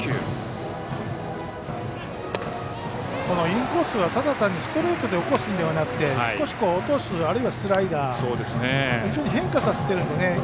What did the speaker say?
このインコースはただ単にストレートで落とすんではなくて少し、落とすあるいはスライダー非常に変化させてるのでね。